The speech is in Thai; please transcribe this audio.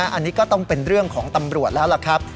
อันนี้ก็ต้องเป็นเรื่องของตำรวจแล้วล่ะครับ